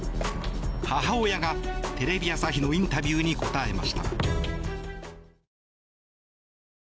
母親が、テレビ朝日のインタビューに答えました。